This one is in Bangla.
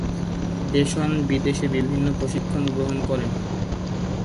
দেশণ-বিদেশে বিভিন্ন প্রশিক্ষন গ্রহণ করেন।